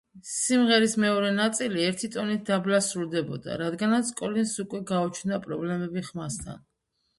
სიმღერის მეორე ნაწილი ერთი ტონით დაბლა სრულდებოდა, რადგანაც კოლინზს უკვე გაუჩნდა პრობლემები ხმასთან.